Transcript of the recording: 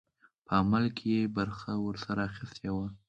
په عمل کې یې برخه ورسره اخیستې وه.